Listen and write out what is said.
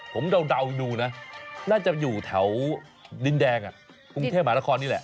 ผมเดาดูนะน่าจะอยู่แถวดินแดงกรุงเทพหมานครนี่แหละ